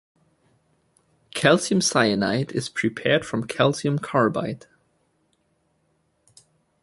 Calcium cyanamide is prepared from calcium carbide.